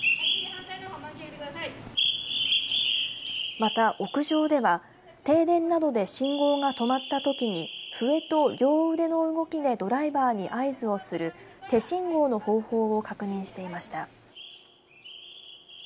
また、屋上では停電などで信号が止まったときに笛と両腕の動きでドライバーに合図をする手信号の方法を確認していました。